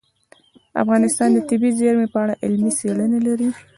افغانستان د طبیعي زیرمې په اړه علمي څېړنې لري.